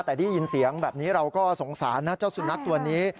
แต่ได้ยินเสียงแบบนี้เราก็สงสารนะเจ้าสุนัขตัวนี้